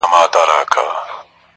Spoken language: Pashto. شرنګول مي غزلونه هغه نه یم -